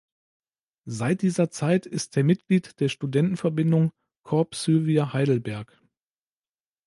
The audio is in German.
Seit dieser Zeit ist er Mitglied der Studentenverbindung Corps Suevia Heidelberg.